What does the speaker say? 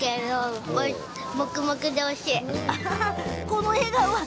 この笑顔！